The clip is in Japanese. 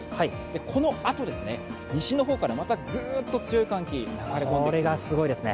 このあと、西の方からまたぐーっと強い寒気が流れ込んできます。